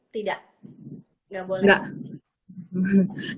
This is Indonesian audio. tidak gak boleh